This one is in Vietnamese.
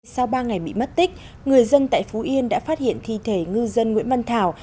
sau ba ngày bị mất tích người dân tại phú yên đã phát hiện thi thể ngư dân nguyễn văn thảo